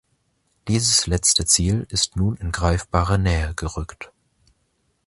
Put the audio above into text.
Dieses letzte Ziel ist nun in greifbare Nähe gerückt.